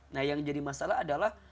nah yang jadi masalah adalah